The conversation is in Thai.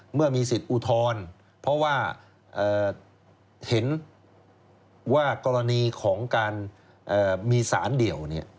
เมื่อมีสิทธิ์อุทธรณ์เพราะว่าเห็นว่ากรณีของการมีสารเดี่ยว